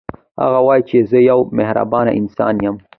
هغه وايي چې زه یو مهربانه انسان یم